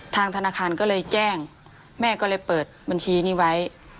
ทางธนาคารก็เลยแจ้งแม่ก็เลยเปิดบัญชีนี้ไว้